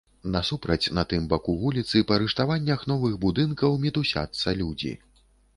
Насупраць, на тым баку вуліцы, па рыштаваннях новых будынкаў мітусяцца людзі.